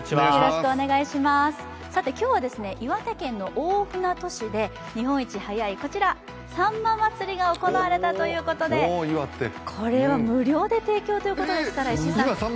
今日は、岩手県の大船渡市で日本一早い、こちら、さんま祭が行われたということでこれは無料で提供ということですから。